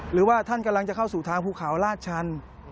หรือว่าท่านกำลังจะเข้าสู่ทางภูเขาลาดชัน